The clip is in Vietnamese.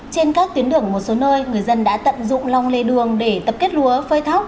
trên các tuyến đường một số nơi người dân đã tận dụng lòng lề đường để tập kết lúa phơi thóc